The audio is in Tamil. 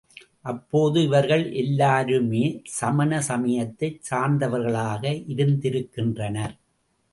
அப்போது இவர்கள் எல்லோருமே சமண சமயத்தை சார்ந்தவர்களாக இருந்திருக்கின்றனர்.